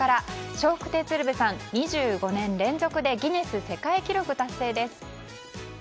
笑福亭鶴瓶さん、２５年連続でギネス世界記録達成です。